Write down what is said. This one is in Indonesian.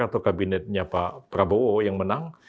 atau kabinetnya pak prabowo yang menang